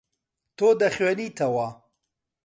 تۆ دەخوێنیتەوە.